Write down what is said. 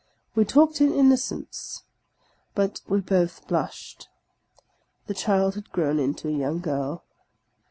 We talked in innocence, but we both blushed. The child had grown into a young girl.